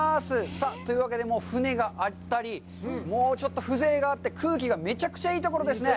さあ、というわけで、船があったり、ちょっと風情があって、空気がめちゃくちゃいいところですね。